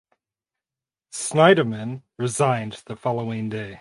Schneiderman resigned the following day.